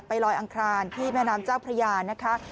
ลอยอังคารที่แม่น้ำเจ้าพระยานะคะ